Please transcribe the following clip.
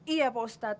iya pak ustadz